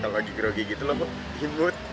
kalau lagi gereget gitu loh imut